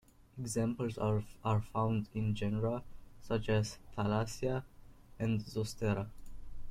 Examples are found in genera such as "Thalassia" and "Zostera".